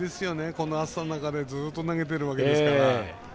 この暑さの中でずっと投げてるわけですから。